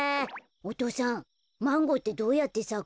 お父さんマンゴーってどうやってさくの？